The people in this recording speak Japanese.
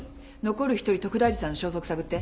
残る１人徳大寺さんの消息探って。